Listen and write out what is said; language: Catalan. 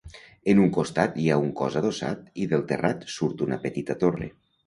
En un costat hi ha un cos adossat i del terrat surt una petita torre.